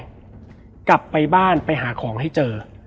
ผู้สูงรูปล่าไปบ้านไปหาของที่เจอ